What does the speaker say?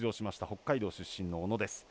北海道出身の小野です。